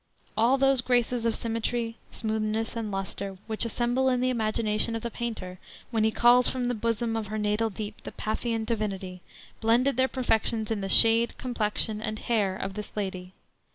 All those graces of symmetry, smoothness and lustre, which assemble in the imagination of the painter when he calls from the bosom of her natal deep the Paphian divinity, blended their perfections in the shade, complexion, and hair of this lady."